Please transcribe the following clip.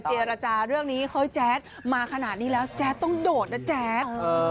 เจรจาเรื่องนี้เฮ้ยแจ๊ดมาขนาดนี้แล้วแจ๊ดต้องโดดนะแจ๊ด